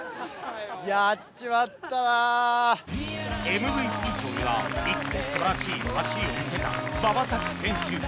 ＭＶＰ 賞には１区で素晴らしい走りを見せた馬場咲希選手